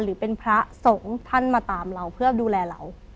หรือเป็นพระสงฆ์ท่านมาตามเราเพื่อดูแลเรา